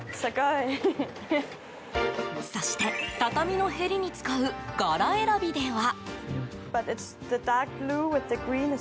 そして、畳のへりに使う柄選びでは。